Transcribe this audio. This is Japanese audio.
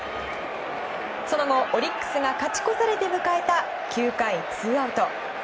その後、オリックスが勝ち越されて迎えた９回ツーアウト。